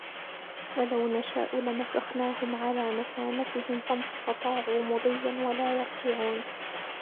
ولو نشاء لمسخناهم على مكانتهم فما استطاعوا مضيا ولا يرجعون